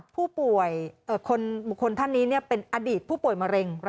ผู้ป่วยบุคคลท่านนี้เป็นอดีตผู้ป่วยมะเร็ง